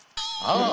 ああ。